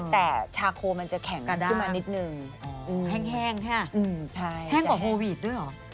แต่ชาโคมันจะแข็งขึ้นมานิดนึงแห้งใช่ไหมแห้งกว่าโควิดด้วยเหรอ